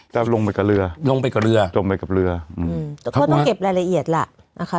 ลงไปกับเรือลงไปกับเรือจมไปกับเรืออืมแต่ก็ต้องเก็บรายละเอียดล่ะนะคะ